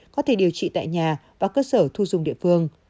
có thể điều trị tại nhà và cơ sở thu dùng địa phương